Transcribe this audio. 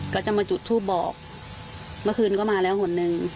ก็จะมาจุดทูปบอกเมื่อคืนก็มาแล้วคนหนึ่ง